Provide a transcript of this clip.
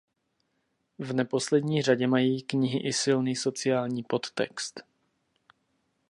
V neposlední řadě mají knihy i silný sociální podtext.